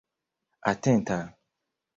atenta